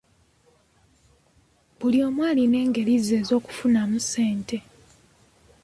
Buli omu alina engeri ze ez'okufunamu ssente.